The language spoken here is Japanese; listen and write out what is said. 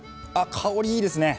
香りいいですね。